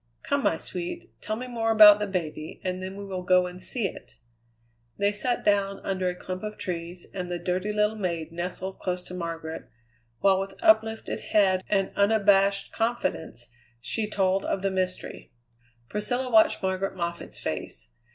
Come, my sweet, tell me more about the baby, and then we will go and see it." They sat down under a clump of trees, and the dirty little maid nestled close to Margaret, while with uplifted head and unabashed confidence she told of the mystery. Priscilla watched Margaret Moffatt's face.